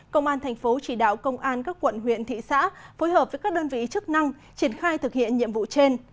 công an thành phố chỉ đạo công an các quận huyện thị xã phối hợp với các đơn vị chức năng triển khai thực hiện nhiệm vụ trên